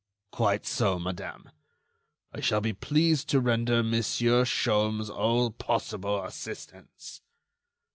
"Quite so, madame. I shall be pleased to render Monsieur Sholmes all possible assistance."